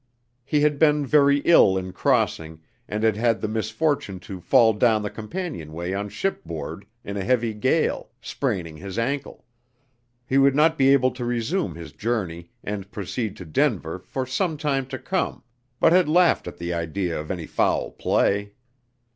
He had been very ill in crossing, and had had the misfortune to fall down the companionway on shipboard, in a heavy gale, spraining his ankle. He would not be able to resume his journey and proceed to Denver for some time to come, but had laughed at the idea of any foul play.